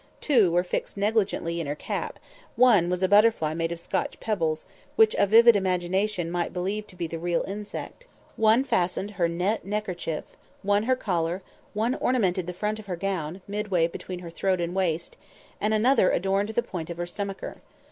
Two were fixed negligently in her cap (one was a butterfly made of Scotch pebbles, which a vivid imagination might believe to be the real insect); one fastened her net neckerchief; one her collar; one ornamented the front of her gown, midway between her throat and waist; and another adorned the point of her stomacher.